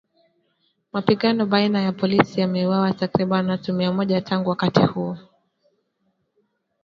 Mapigano baina ya polisi yameuwa takriban watu mia moja tangu wakati huo